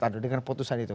ya kita sudah tahu